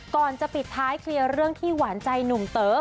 ก่อนจะปิดท้ายเคลียร์เรื่องที่หวานใจหนุ่มเต๋อ